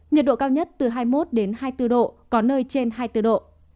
nhiệt độ cao nhất từ hai mươi một hai mươi bốn độ có nơi trên hai mươi bốn độ